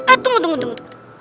eh tunggu tunggu